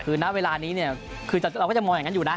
คือณเวลานี้เราก็จะมองอย่างนั้นอยู่นะ